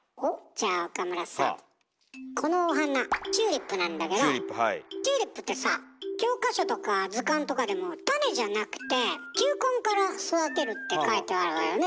じゃあ岡村さぁこのお花チューリップなんだけどチューリップってさ教科書とか図鑑とかでも種じゃなくて球根から育てるって書いてあるわよね？